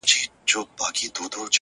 اوس ولي نه وايي چي ښار نه پرېږدو ـ